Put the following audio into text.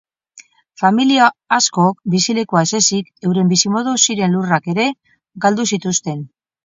Familia askok bizilekua ez ezik, euren bizimodu ziren lurrak ere galdu zituzten.